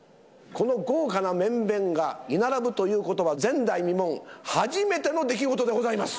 この豪華な面々が居並ぶということは前代未聞、初めての出来事でございます。